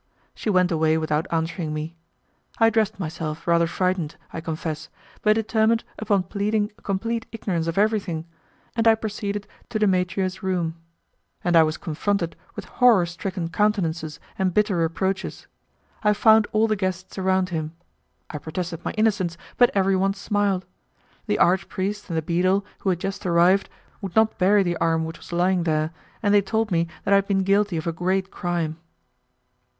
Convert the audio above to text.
She went away without answering me. I dressed myself, rather frightened, I confess, but determined upon pleading complete ignorance of everything, and I proceeded to Demetrio's room; and I was confronted with horror stricken countenances and bitter reproaches. I found all the guests around him. I protested my innocence, but everyone smiled. The archpriest and the beadle, who had just arrived, would not bury the arm which was lying there, and they told me that I had been guilty of a great crime.